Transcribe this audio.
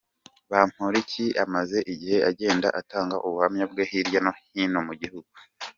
Bamporiki amaze igihe agenda atanga ubuhamya bwe hirya no hino mu gihugu.